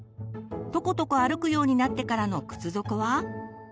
とことこ歩くようになってからの靴底は。